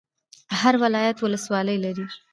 هر ولایت ولسوالۍ لري